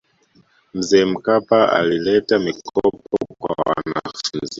mzee mkapa alileta mikopo kwa wanafunzi